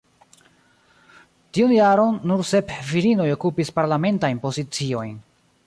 Tiun jaron, nur sep virinoj okupis parlamentajn poziciojn.